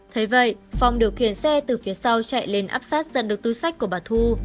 thế vậy phong điều khiển xe từ phía sau chạy lên áp sát giật được túi sách của bà thu